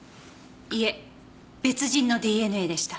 いえ別人のＤＮＡでした。